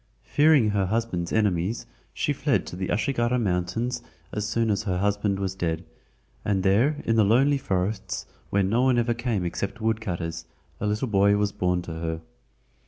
Fearing her husband's enemies, she fled to the Ashigara Mountains as soon as her husband was dead, and there in the lonely forests where no one ever came except woodcutters, a little boy was born to her.